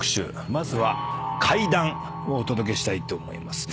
まずは怪談をお届けしたいと思います。